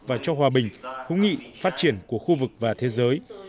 và cho hòa bình hữu nghị phát triển của khu vực và thế giới